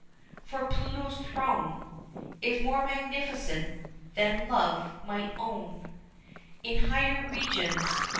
For Pluto's throne Is more magnificent than Love might own In higher regions.